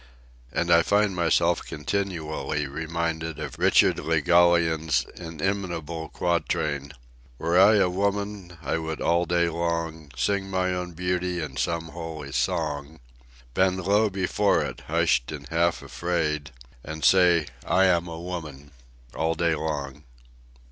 And I find myself continually reminded of Richard Le Gallienne's inimitable quatrain: "Were I a woman, I would all day long Sing my own beauty in some holy song, Bend low before it, hushed and half afraid, And say 'I am a woman' all day long."